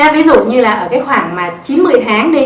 ví dụ như là ở khoảng chín một mươi tháng